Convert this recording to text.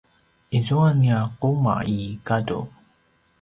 izua nia quma i gadu